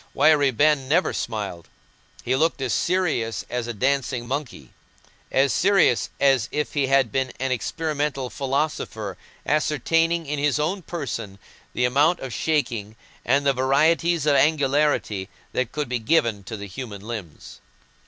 Wiry Ben never smiled: he looked as serious as a dancing monkey—as serious as if he had been an experimental philosopher ascertaining in his own person the amount of shaking and the varieties of angularity that could be given to the human limbs.